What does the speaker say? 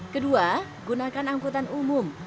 kedua gunakan angkutan umum